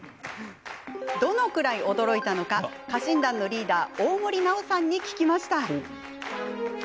どのくらい驚いたのか家臣団のリーダー大森南朋さんに聞きました。